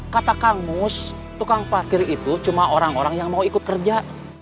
kata kang mus tukang parkir itu cuma orang orang yang mau ikut kerja